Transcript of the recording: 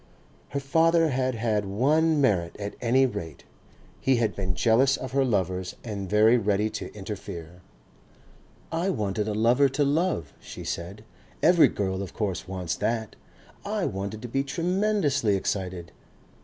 Her father had had one merit at any rate. He had been jealous of her lovers and very ready to interfere. "I wanted a lover to love," she said. "Every girl of course wants that. I wanted to be tremendously excited....